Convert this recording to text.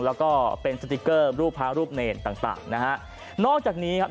แล้วก็เป็นสติ๊กเกอร์รูปพระรูปเนรต่างต่างนะฮะนอกจากนี้ครับ